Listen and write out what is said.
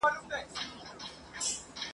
او ادب پوهان، د پښتو په کلاسیک ادب کي !.